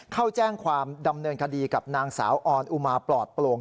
เข้าแจ้งความดำเนินคดีกับนางสาวออนอุมาปลอดโปร่ง